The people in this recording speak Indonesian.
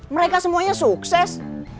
mereka semuanya sukses